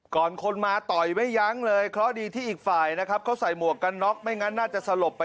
พ่อกันก็ผ่านหนีอยู่นะ